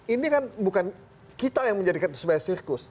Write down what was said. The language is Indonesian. ini kan bukan kita yang menjadikan itu sebagai sirkus